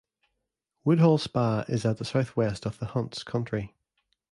Woodhall Spa is at the south-west of the Hunt's country.